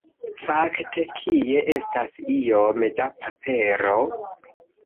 Fakte, kie estas iom da papero?